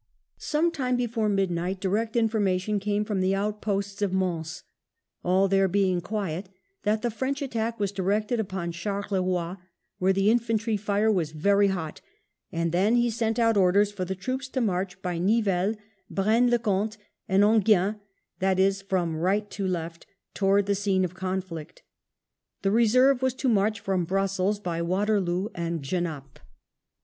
Sometime before midnight direct information came from the out posts of Mons, all there being quiet, that the French attack was directed upon Charleroi, where the infantry fire was very hot, and then he sent out orders for the troops to march by Nivelles, Braine le Comte, and Enghien, that is from right to left, towards the scene of conflict. The reserve was to march from Brussels by Waterloo and Genappe.